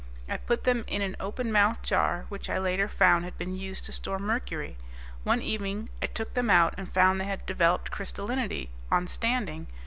I put them in an open mouth jar which I later found had been used to store mercury. One evening I took them out and found they had developed crystallinity on standing.